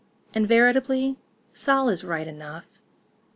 And, veritably, Sol is right enough.